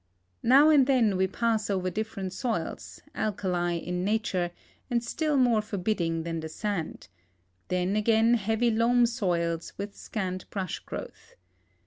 Now and then we pass over different soils, alkali in nature and still more forbidding than the sand ; then again heavy loam soils with scant brush growth.